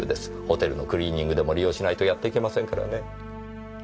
ホテルのクリーニングでも利用しないとやっていけませんからね。